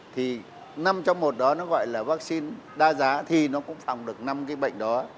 thì năm trong một đó nó gọi là vaccine đa giá thì nó cũng phòng được năm cái bệnh đó